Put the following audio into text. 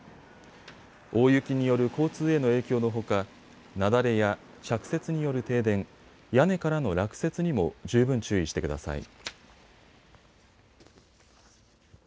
大雪による交通への影響のほか雪崩や着雪による停電、屋根からの落雪にも十分注意してください。